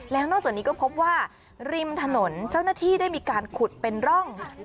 แล้วนอกจากนี้ก็พบว่าริมถนนเจ้าหน้าที่ได้มีการขุดเป็นร่อง